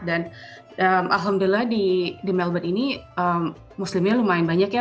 dan alhamdulillah di melbourne ini muslimnya lumayan banyak ya